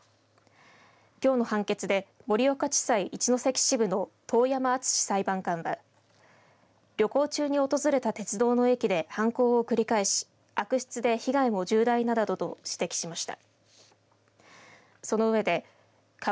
きょうの判決で盛岡地裁一関支部の遠山敦士裁判官は旅行中に訪れた鉄道の駅で犯行を繰り返し悪質で被害も重大だなどと指摘しました。